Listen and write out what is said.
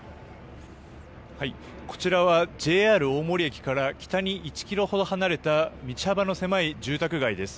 こちらはＪＲ大森駅から北に１ｋｍほど離れた道幅の狭い住宅街です。